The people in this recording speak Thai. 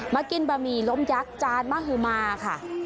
กินบะหมี่ล้มยักษ์จานมฮือมาค่ะ